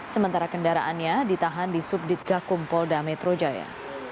sementara kendaraannya ditahan di subdit gakum polda metro jaya